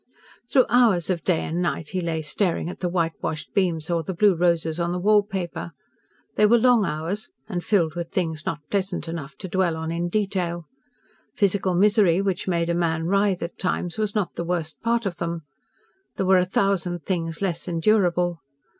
Through hours of day and night he lay staring at the whitewashed beams or the blue roses on the wall paper. They were long hours, and filled with things not pleasant enough to dwell on in detail. Physical misery which made a man writhe at times was not the worst part of them. There were a thousand things less endurable.